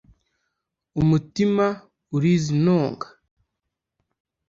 Umutima urizinonga